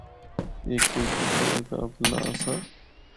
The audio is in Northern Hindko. اے کجھ دکھنڑا دے قابل نہ آسا۔